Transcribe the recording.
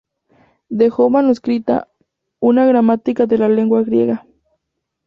Dejó manuscrita una "Gramática de la lengua griega".